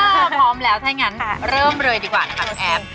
ก็พร้อมแล้วถ้างั้นเริ่มเลยดีกว่านะคะแอฟ